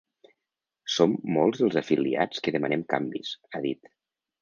Som molts els afiliats que demanem canvis, ha dit.